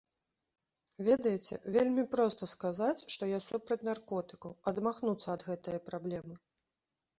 Ведаеце, вельмі проста сказаць, што я супраць наркотыкаў, адмахнуцца ад гэтае праблемы.